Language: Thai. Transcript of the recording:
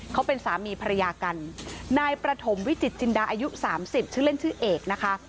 เขาเป็นสามีภรรยากันนายประถมวิจิตจินดาอายุสามสิบชื่อเล่นชื่อเอกนะคะ